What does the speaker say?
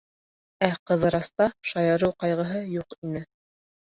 Ә Ҡыҙыраста шаярыу ҡайғыһы юҡ ине.